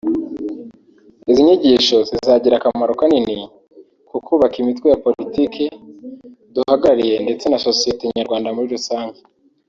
izi nyigisho zizagira akamaro kanini ku kubaka imitwe ya Politiki duhagarariye ndetse na sosiyete nyarwanda muri rusange